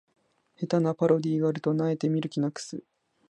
下手なパロディがあると萎えて見る気なくす